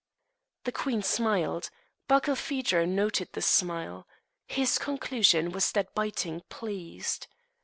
The queen smiled. Barkilphedro noted the smile. His conclusion was that biting pleased.